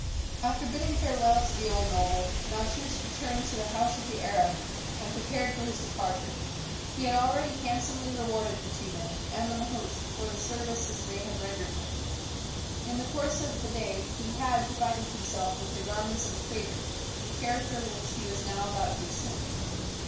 After bidding farewell to the old noble, Malchus returned to the house of the Arab and prepared for his departure. He had already handsomely rewarded the two men and the mahout for the services they had rendered him. In the course of the day he had provided himself with the garments of a trader, the character which he was now about to assume.